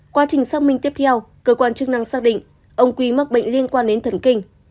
quá trình xác minh tiếp theo cơ quan chức năng xác định ông quy mắc bệnh liên quan đến thần kinh